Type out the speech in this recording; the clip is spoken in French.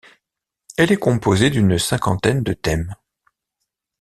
Elle est composée d'une cinquantaine de thèmes.